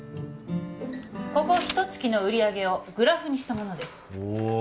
ここひと月の売り上げをグラフにしたものです